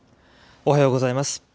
おはようございます。